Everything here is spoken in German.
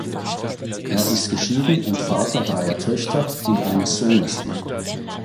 Er ist geschieden und Vater dreier Töchter und eines Sohnes.